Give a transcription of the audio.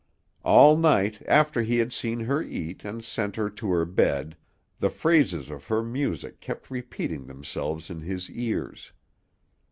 All night, after he had seen her eat and sent her to her bed, the phrases of her music kept repeating themselves in his ears.